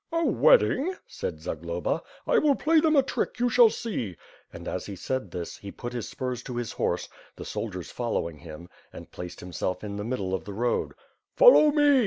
"A wedding!" said Zagloba, "I will play them a trick; you shall see." As he said this, he put spurs to his horse, the soldiers following him, and placed himself in the middle of the road. "Follow me!"